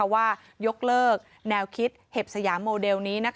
ว่ายกเลิกแนวคิดเห็บสยามโมเดลนี้